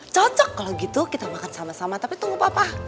cocok kalau gitu kita makan sama sama tapi tunggu apa apa